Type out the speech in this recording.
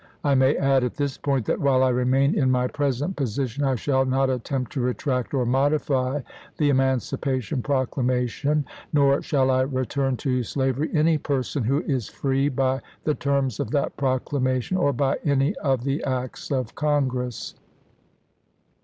I may add, at this point, that while I remain in my present position I shall not attempt to retract or modify the Emancipation Proclamation, nor shall I return to slavery any person who is free by the terms of that proclamation or by any of the acts of Congress."